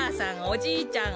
おじいちゃん